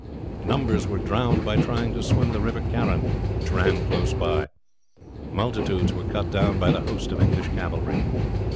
Numbers were drowned by trying to swim the river Carron, which ran close by. Multitudes were cut down by the host of English cavalry.